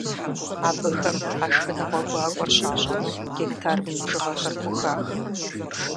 Абыхэм а шхыныгъуэ гуакӏуэр щащӏэну гектар мин бжыгъэхэр хухах.